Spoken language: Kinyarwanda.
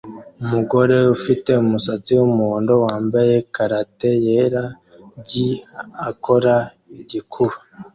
Umugore ufite umusatsi wumuhondo wambaye karate yera gi akora igikuba